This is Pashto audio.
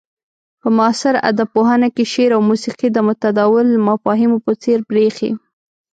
په معاصر ادب پوهنه کې شعر او موسيقي د متداول مفاهيمو په څير بريښي.